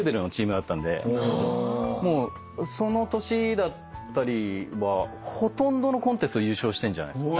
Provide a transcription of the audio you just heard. もうその年だったりはほとんどのコンテストで優勝してんじゃないですか。